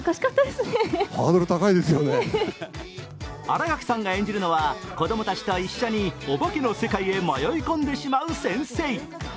新垣さんが演じるのは子供たちと一緒におばけの世界へ迷い込んでしまう先生。